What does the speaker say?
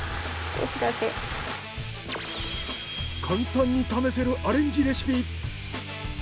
簡単に試せるアレンジレシピ。